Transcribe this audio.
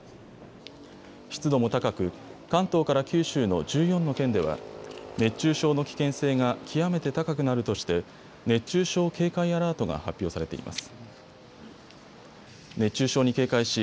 湿度も高く、関東から九州の１４の県では熱中症の危険性が極めて高くなるとして熱中症警戒アラートが発表されています。